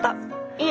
いえ。